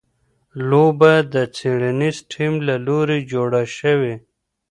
لوبه د څېړنیز ټیم له لوري جوړه شوې.